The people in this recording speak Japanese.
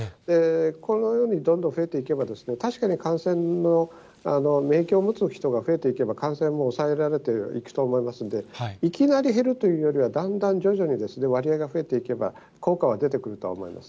このようにどんどん増えていけばですね、確かに感染の免疫を持つ人が増えていけば、感染も抑えられていくと思いますんで、いきなり減るというよりは、だんだん徐々に割合が増えてくれば、効果は出てくるとは思います。